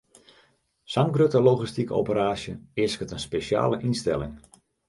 Sa'n grutte logistike operaasje easket in spesjale ynstelling.